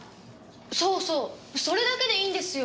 そうそうそれだけでいいんですよ。